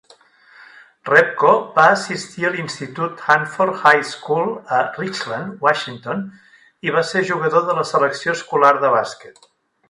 Repko va assistir a l'institut Hanford High School a Richland, Washington, i va ser jugador de la selecció escolar de bàsquet.